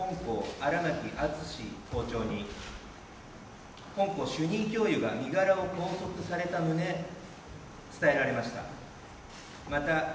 ・荒巻淳校長に本校主任教諭が身柄を拘束された旨、伝えられました。